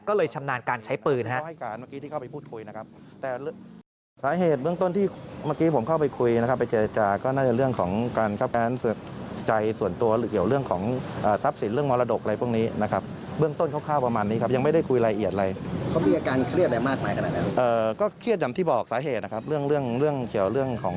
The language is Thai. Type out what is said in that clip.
ก็เลยชำนาญการใช้ปืนฮะ